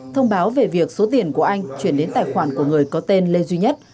thông báo về việc số tiền của anh chuyển đến tài khoản của người có tên lê duy nhất